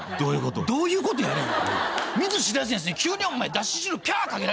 それどういうことやねん？